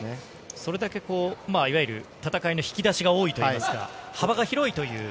それだけいわゆる戦いの引き出しが多いといいますか、幅が広いという。